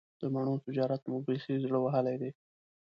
د مڼو تجارت مې بیخي زړه وهلی دی.